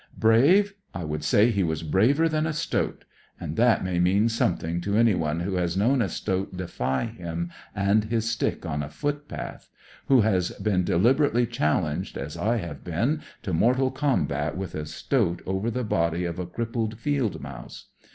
Brave 1 I would say he was braver than a stoat ; and that may mean something to anyone who has known a stoat defy him and his stick on a footpath; who has been deliberately challenged, as I have been, to mortal combat with a stoat over^the body of a crippled field mouse.